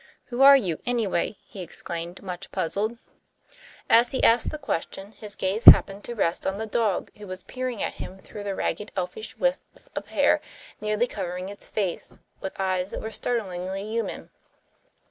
"Who are you, anyway?" he exclaimed, much puzzled. As he asked the question his gaze happened to rest on the dog, who was peering at him through the ragged, elfish wisps of hair nearly covering its face, with eyes that were startlingly human.